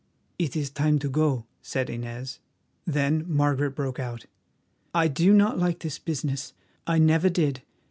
"It is time to go," said Inez. Then Margaret broke out: "I do not like this business; I never did.